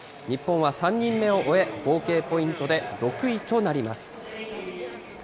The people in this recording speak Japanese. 日本は３人目を終え、合計ポイントで６位となります。